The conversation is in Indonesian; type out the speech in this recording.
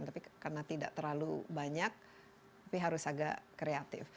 tapi karena tidak terlalu banyak tapi harus agak kreatif